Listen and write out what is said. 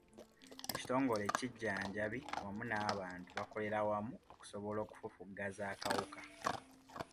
Ekitongole ekijjanjabi wamu n'abantu bakolera wamu okusobola okufufugaza akawuka.